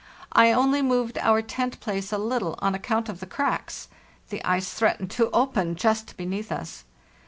I only moved our tent place a little on account of the cracks; the ice threatened to open just beneath us.